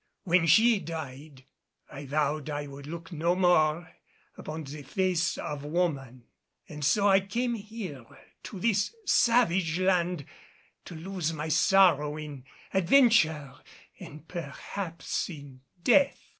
When she died, I vowed I would look no more upon the face of woman, and so I came here to this savage land to lose my sorrow in adventure and perhaps in death.